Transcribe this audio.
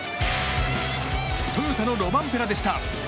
トヨタのロバンペラでした。